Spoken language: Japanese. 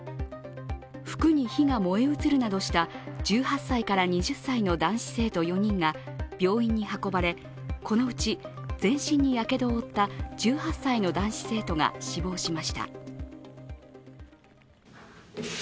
服に火が燃え移るなどした１８歳から２０歳の男子生徒４人が病院に運ばれ、このうち全身にやけどを負った１８歳の男子生徒が死亡しました。